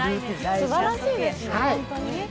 すばらしいですね。